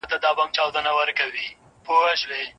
د هند په ښوونځیو کي افغانانو څنګه زده کړي کولې؟